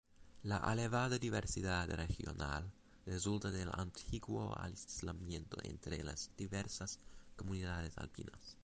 La elevada diversidad regional resulta del antiguo aislamiento entre las diversas comunidades alpinas.